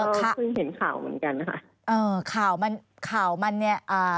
ค่ะก็คงเห็นข่าวเหมือนกันค่ะ